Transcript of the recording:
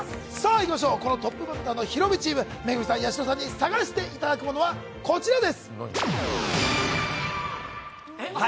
このトップバッターの「ひるおび」チーム恵さん、八代さんに探していただくものはこちらです。